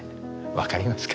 分かりますか？